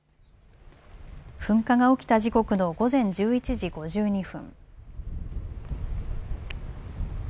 噴火が起きた時刻の午前１１時５２分。